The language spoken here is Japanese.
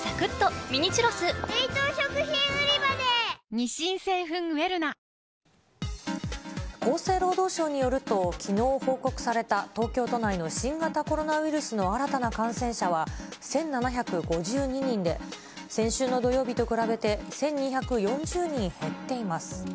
三菱電機厚生労働省によると、きのう報告された東京都内の新型コロナウイルスの新たな感染者は１７５２人で、先週の土曜日と比べて１２４０人減っています。